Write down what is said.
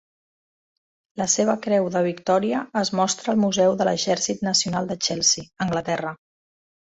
La seva Creu de Victoria es mostra al Museu de l'Exèrcit Nacional de Chelsea, Anglaterra.